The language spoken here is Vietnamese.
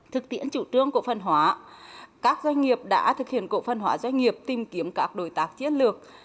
thực tiễn chủ trương cổ phân hóa các doanh nghiệp đã thực hiện cổ phân hóa doanh nghiệp tìm kiếm các đối tác chiến lược